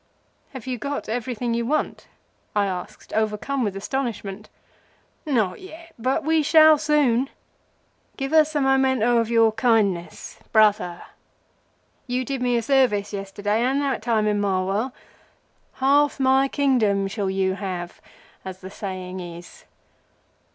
"Have you got everything you want?" I asked, overcome with astonishment. "Not yet, but we shall soon. Give us a momento of your kindness, Brother. You did me a service yesterday, and that time in Marwar. Half my Kingdom shall you have, as the saying is."